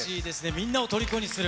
みんなをとりこにする。